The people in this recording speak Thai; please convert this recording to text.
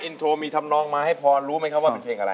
อินโทรมีทำนองมาให้พรรู้ไหมครับว่าเป็นเพลงอะไร